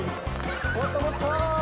もっともっと！